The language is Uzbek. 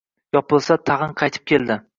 Yopilsa — tag‘in qaytib keldi.